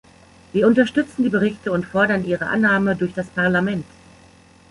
Wir unterstützen die Berichte und fordern ihre Annahme durch das Parlament.